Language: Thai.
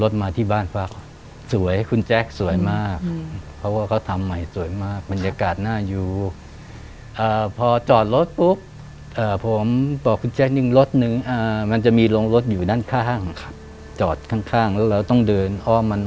ทั้งคุณหนุ่มกับคุณฮีมครับผม